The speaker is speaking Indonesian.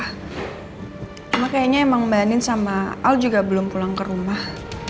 cuma kayaknya emang mbak anin sama al juga belum pulang ke rumah